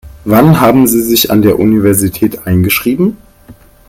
Wann haben Sie sich an der Universität eingeschrieben?